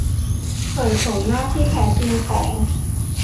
เผยโฉมหน้าที่แท้จริงของ